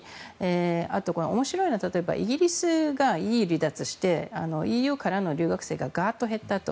あと、面白いのはイギリスがＥＵを離脱してＥＵからの留学生がガッと減ったと。